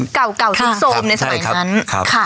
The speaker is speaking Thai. เป็นวัดเก่าทุกโซมในสมัยนั้น